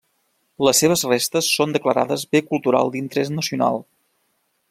Les seves restes són declarades bé cultural d'interès nacional.